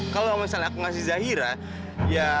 kalau misalnya aku ngasih zahira ya